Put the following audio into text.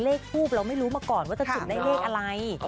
ทูบเราไม่รู้มาก่อนว่าจะจุดได้เลขอะไร